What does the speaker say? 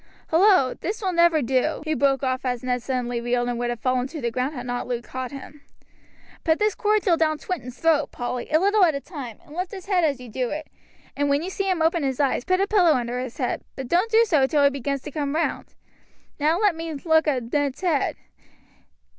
"Hullo! this will never do," he broke off as Ned suddenly reeled and would have fallen to the ground had not Luke caught him. "Pour this cordial down Swinton's throat, Polly, a little at a time, and lift his head as you do it, and when you see him open his eyes, put a pillow under his head; but don't do so till he begins to come round. Now let me look at Ned's head.